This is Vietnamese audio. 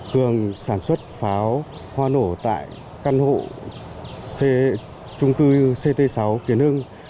cường sản xuất pháo hoa nổ tại căn hộ trung cư ct sáu kiến hưng